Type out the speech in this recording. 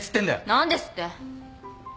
何ですって？